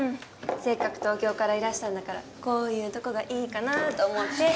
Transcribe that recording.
せっかく東京からいらしたんだからこういうとこがいいかなと思って。